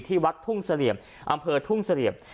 วัดทุ่งเสลี่ยมอำเภอทุ่งเสลี่ยม